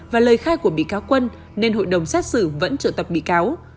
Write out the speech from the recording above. và lời khai của bị cáo quân nên hội đồng xét xử vẫn trự tập bị cáo